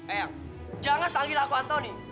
eh jangan panggil aku antoni